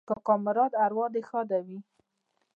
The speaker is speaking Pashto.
د کاکا مراد اوراح دې ښاده وي